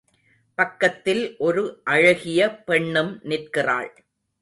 பக்கத்தில் ஒரு அழகிய பெண்னும் நிற்கிறாள்.